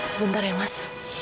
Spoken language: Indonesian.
sebentar ya mas